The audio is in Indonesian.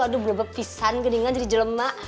aduh berbebisan gedingan jadi jelema